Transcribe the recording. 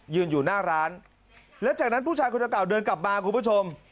ยืนอยู่หน้าร้านแล้วจากนั้นผู้ชายคนเก่าเดินกลับมาคุณผู้ชม